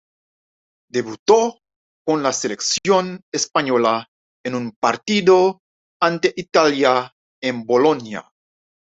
Debutó con la selección española, en un partido ante Italia, en Bolonia.